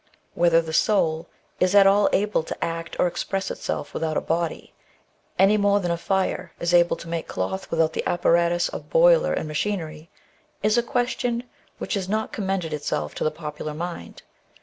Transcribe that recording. . Whether the soul is at all able to act or express itself without a body, any more than a fire is able to make cloth without the apparatus of boiler and machinery, is a question which has not commended itself to the popular mind.